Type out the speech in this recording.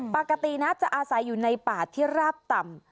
ปกตินะจะอาศัยอยู่ในป่าที่ราบต่ำ